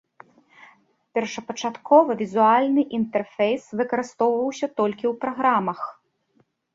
Першапачаткова візуальны інтэрфейс выкарыстоўваўся толькі ў праграмах.